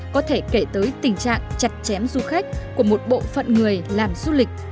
có thể kể tới tình trạng chặt chém du khách của một bộ phận người làm du lịch